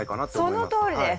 そのとおりです。